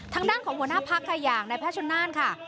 ทางด้านของหัวหน้าพักค่ะอย่างนายแพทย์ชนน่านค่ะ